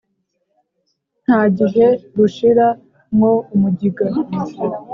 nta gihe rushira mwo "umugiga"